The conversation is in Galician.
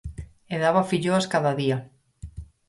E daba filloas cada día.